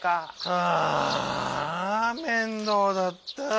ああ面倒だった。